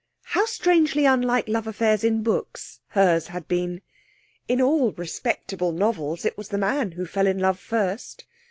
How strangely unlike love affairs in books hers had been! In all respectable novels it was the man who fell in love first.